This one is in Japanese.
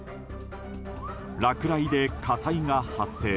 落雷で火災が発生。